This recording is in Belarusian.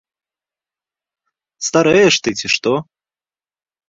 Старэеш ты, ці што?